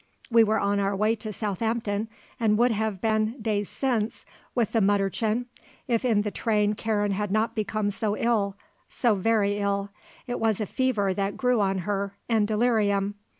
We were on our way to Southampton and would have been, days since, with the Mütterchen, if in the train Karen had not become so ill so very ill. It was a fever that grew on her, and delirium.